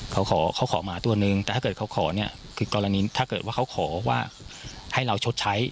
เขาขอหมาตัวหนึ่งแต่ถ้าเกิดเขาขอถ้าเกิดว่าเขาขอว่าให้เราชดใช้